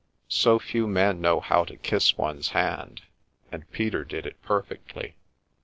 So few men know how to kiss one's hand, and Peter did it perfectly.